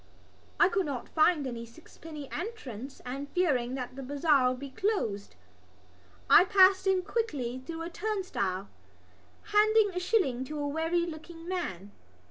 I could not find any sixpenny entrance and, fearing that the bazaar would be closed, I passed in quickly through a turnstile, handing a shilling to a weary looking man.